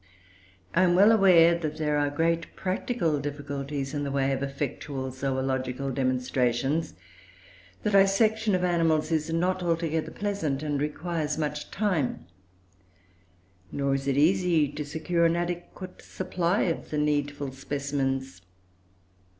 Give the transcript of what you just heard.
I am well aware that there are great practical difficulties in the way of effectual zoological demonstrations. The dissection of animals is not altogether pleasant, and requires much time; nor is it easy to secure an adequate supply of the needful specimens.